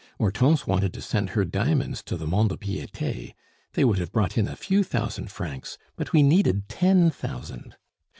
Hortense wanted to send her diamonds to the Mont de Piete; they would have brought in a few thousand francs, but we needed ten thousand.